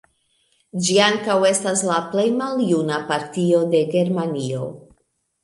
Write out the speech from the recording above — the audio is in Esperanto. Ĝi ankaŭ estas la plej maljuna partio de Germanio.